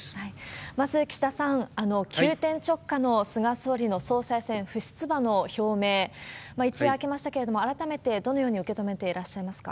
まず、岸田さん、急転直下の菅総理の総裁選不出馬の表明、一夜明けましたけれども、改めてどのように受け止めていらっしゃいますか？